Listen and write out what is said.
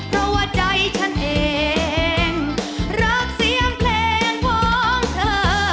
เพราะว่าใจฉันเองรักเสียงเพลงของเธอ